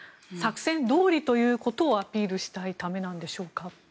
作戦どおりということをアピールしたいためでしょうか？